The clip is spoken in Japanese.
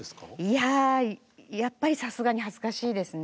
いやあやっぱりさすがに恥ずかしいですね。